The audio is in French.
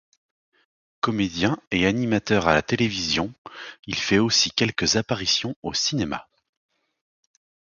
Comédien et animateur à la télévision, il fait aussi quelques apparitions au cinéma.